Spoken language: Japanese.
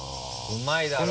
うまいだろ。